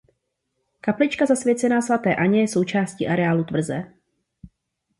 Kaplička zasvěcená svaté Anně je součástí areálu tvrze.